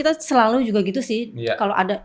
kita selalu juga gitu sih kalau ada